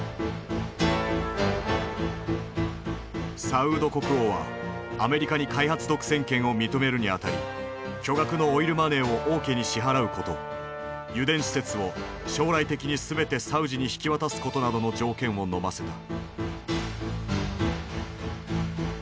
サウード国王はアメリカに開発独占権を認めるにあたり巨額のオイルマネーを王家に支払うこと油田施設を将来的に全てサウジに引き渡すことなどの条件をのませた。